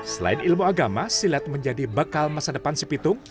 selain ilmu agama silat menjadi bekal masa depan si pitung